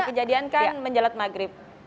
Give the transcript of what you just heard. kejadian kan menjelat maghrib